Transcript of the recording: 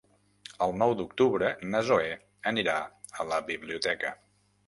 El nou d'octubre na Zoè anirà a la biblioteca.